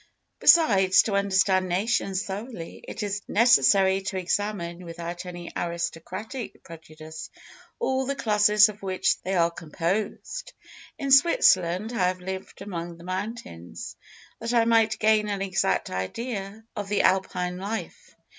"Besides, to understand nations thoroughly, it is necessary to examine, without any aristocratic prejudice, all the classes of which they are composed. In Switzerland, I lived among the mountains, that I might gain an exact idea of the Alpine life.